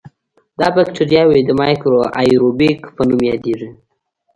دا بکټریاوې د میکرو آئیروبیک په نوم یادیږي.